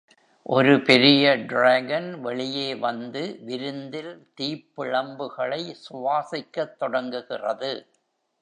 ஒரு பெரிய டிராகன் வெளியே வந்து விருந்தில் தீப்பிழம்புகளை சுவாசிக்கத் தொடங்குகிறது.